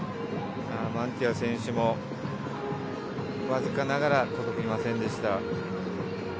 マンティア選手もわずかながら届きませんでした。